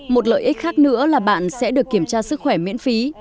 một lợi ích khác nữa là bạn sẽ được kiểm tra sức khỏe miễn phí